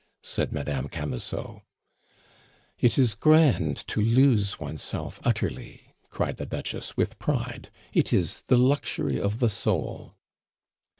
said Madame Camusot. "It is grand to lose oneself utterly!" cried the Duchess with pride. "It is the luxury of the soul."